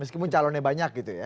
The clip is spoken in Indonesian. meskipun calonnya banyak gitu ya